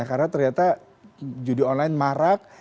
karena ternyata judi online marak